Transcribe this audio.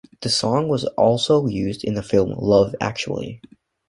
The song was also used in the film "Love Actually".